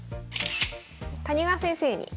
谷川先生に。